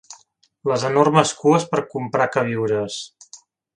Les enormes cues per comprar queviures